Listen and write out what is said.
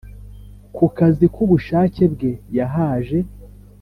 ku kazi ku bushake bwe yahaje